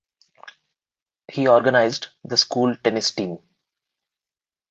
He organised the school tennis team.